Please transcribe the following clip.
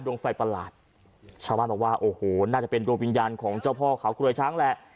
ไฟประหลาดชาวบ้านบอกว่าโอ้โหน่าจะเป็นดวงวิญญาณของเจ้าพ่อเขากลัวช้างแหละ